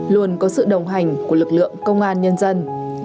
luôn có sự đồng hành của lực lượng công an nhân dân